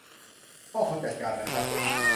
พ่อเขาจัดการน่ะครับ